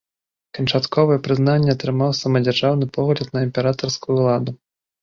Канчатковае прызнанне атрымаў самадзяржаўны погляд на імператарскую ўладу.